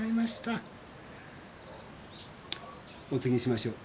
お注ぎしましょう。